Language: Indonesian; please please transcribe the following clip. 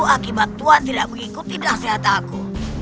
itu akibat tuan tidak mengikuti nasihat aku